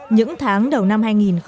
những tháng đầu năm hai nghìn một mươi tám